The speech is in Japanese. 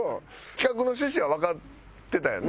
企画の趣旨はわかってたやんな？